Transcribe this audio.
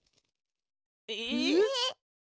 え！